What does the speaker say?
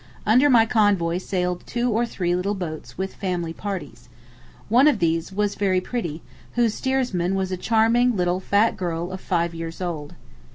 Under my convoy sailed two or three little boats with family parties. One of these was very pretty, whose steersman was a charming little fat girl of five years old.